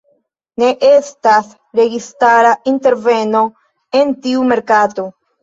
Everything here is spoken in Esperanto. Ne estas registara interveno en tiu merkato.